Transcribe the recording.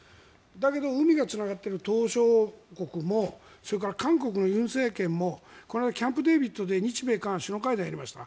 だけど海がつながっている島しょ国もそれから韓国の尹政権もキャンプデービッドで日米韓首脳会談をやりました。